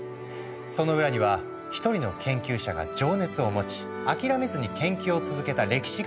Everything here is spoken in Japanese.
その裏には一人の研究者が情熱を持ち諦めずに研究を続けた歴史があった。